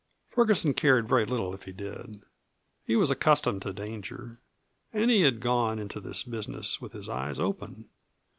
Ferguson cared very little if he did. He was accustomed to danger, and he had gone into this business with his eyes open.